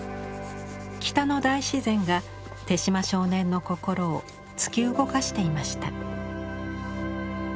北の大自然が手島少年の心を突き動かしていました。